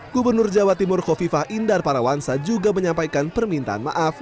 gubernur jawa timur kofifah indar parawansa juga menyampaikan permintaan maaf